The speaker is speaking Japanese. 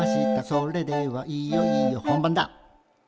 「それではいよいよ本番だ」